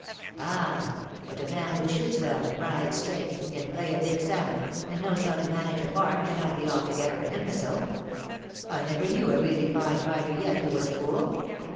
" Ah, but a man who shoots well and rides straight, and can play a big salmon, and knows how to manage a farm, cannot be altogether an imbecile. I never knew a really fine rider yet who was a fool.